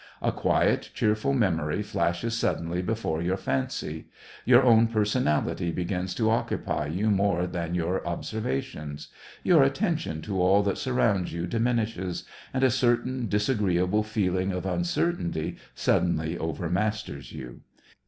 A quietly cheerful memory flashes sud denly before your fancy ; your own personality begins to occupy you more than your observa tions ; your attention to all that surrounds you diminishes, and a certain disagreeable feeling of uncertainty suddenly overmasters you.